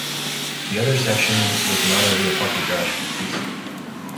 The other section was an automobile parking garage for the priest.